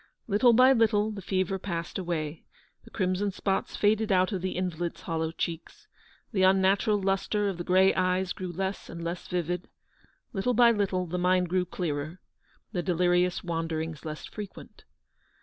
Little by little the fever passed away; the crimson spots faded out of the invalid's hollow cheeks ; the unnatural lustre of the grey eyes grew less and less vivid; little by little the mind grew clearer, the delirious wanderings less fre quent.